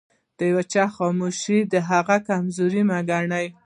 د يوچا خاموښي دهغه کمزوري مه ګنه